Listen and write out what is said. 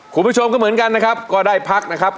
คุณผู้ชมก็เหมือนกันนะครับก็ได้พักนะครับ